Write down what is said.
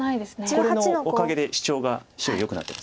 これのおかげでシチョウが白よくなってます。